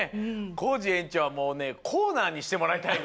コージ園長はもうねコーナーにしてもらいたいぐらい！